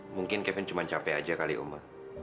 mungkin kevin cuma capek aja kali omba